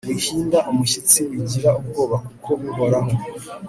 wihinda umushyitsi wigira ubwoba kuko uhoraho